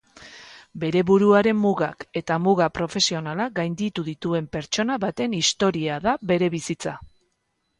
Bere buruaren mugak eta muga profesionalak gainditu dituen pertsona baten istoria da bere bizitza.